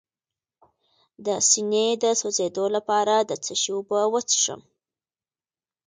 د سینې د سوځیدو لپاره د څه شي اوبه وڅښم؟